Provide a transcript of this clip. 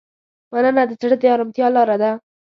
مننه د زړه د ارامتیا لاره ده.